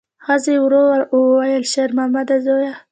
ښځې ورو وویل: شېرمامده زویه!